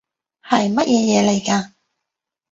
係乜嘢嘢嚟嘅